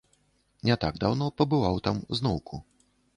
Не так даўно пабываў там зноўку.